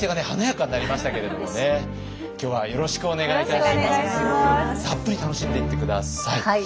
たっぷり楽しんでいって下さい。